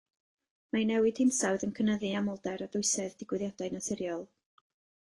Mae newid hinsawdd yn cynyddu amlder a dwysedd digwyddiadau naturiol.